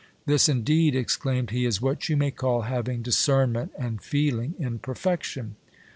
This, indeed, exclaimed he, is what you may call having discernment and feeling in perfection